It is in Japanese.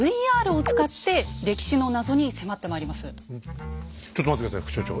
今日はですねちょっと待って下さい副所長。